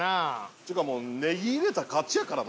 っていうかもうネギ入れたら勝ちやからな。